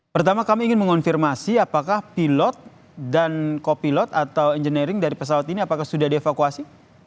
pertama kami ingin mengonfirmasi apakah pilot dan kopilot atau engineering dari pesawat ini apakah sudah dievakuasi